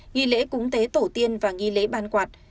nghi lễ cúng tế tổ tiên và nghi lễ ban quạt